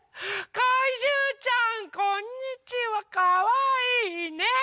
かいじゅうちゃんこんにちはかわいい。ね？